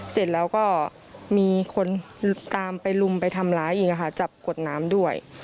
เสร็จแล้วก็มีคนตามไปลุมไปทำร้ายอีกค่ะจับกดน้ำด้วย